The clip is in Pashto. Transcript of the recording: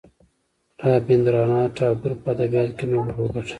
رابیندرانات ټاګور په ادبیاتو کې نوبل وګاټه.